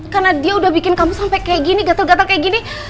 karena dia udah bikin kamu sampai kayak gini gatel gatel kayak gini